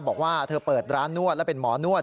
บอกว่าเธอเปิดร้านนวดและเป็นหมอนวด